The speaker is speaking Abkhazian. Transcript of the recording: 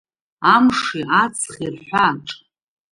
Амши аҵхи рҳәааҿ…